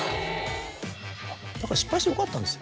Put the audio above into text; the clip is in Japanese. だから失敗してよかったんですよ。